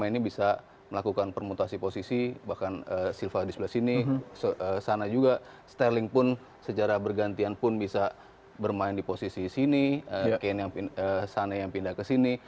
ini bisa melakukan permutasi posisi bahkan silva di sebelah sini sana juga sterling pun secara bergantian pun bisa bermain di posisi sini sana yang pindah ke sini